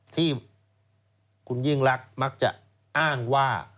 ที่คุณยื่นลักษณ์มักจะอ้างว่า